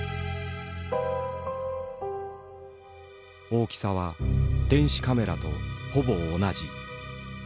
大きさは電子カメラとほぼ同じ。